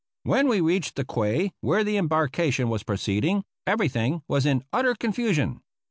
When we reached the quay where the embarkation was proceeding, everything was in utter confusion.